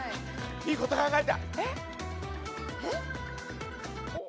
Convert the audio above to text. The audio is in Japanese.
いいこと考えた！